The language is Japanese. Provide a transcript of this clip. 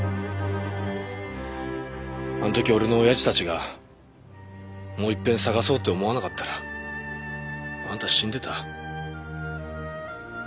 あの時俺の親父たちがもういっぺん捜そうって思わなかったらあんた死んでた。